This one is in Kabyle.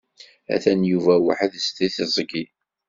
Atan Yuba weḥd-s deg teẓgi.